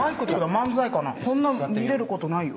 こんな見れることないよ。